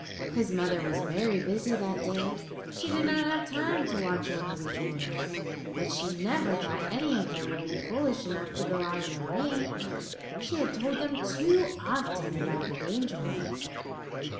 "His mother was very busy that day. She did not have time to watch over the children, but she never thought any of them would be foolish enough to go out in the rain. She had told them too often about the danger of it.